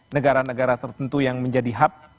negara negara tertentu yang menjadi hub